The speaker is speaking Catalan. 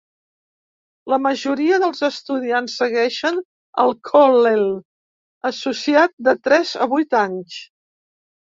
La majoria dels estudiants segueixen al 'kollel' associat de tres a vuit anys.